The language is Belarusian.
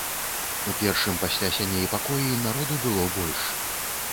У першым пасля сяней пакоі народу было больш.